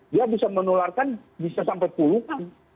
dia bisa menularkan bisa sampai puluhan